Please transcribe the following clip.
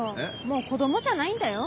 もう子供じゃないんだよ。